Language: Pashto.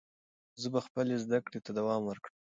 زه به خپلې زده کړې ته دوام ورکړم.